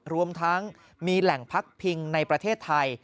รวมทั้งมีแหล่งพักพิงในประเทศไทย